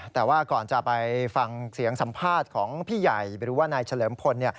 แต่ว่าก่อนจะไปฟังเสียงสัมภาษณ์ของพี่ใหญ่หรือว่านายเฉลิมพล